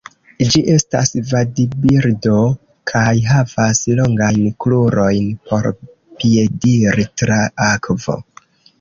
Ĝi estas vadbirdo kaj havas longajn krurojn por piediri tra akvo.